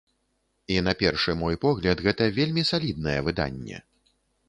І на першы мой погляд, гэта вельмі саліднае выданне.